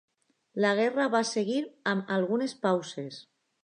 La guerra va seguir amb algunes pauses.